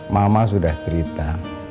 mama sudah cerita